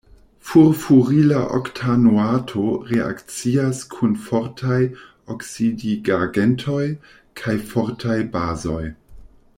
Furfurila oktanoato reakcias kun fortaj oksidigagentoj kaj fortaj bazoj.